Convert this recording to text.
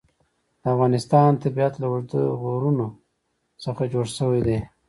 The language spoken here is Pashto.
د افغانستان طبیعت له اوږده غرونه څخه جوړ شوی دی.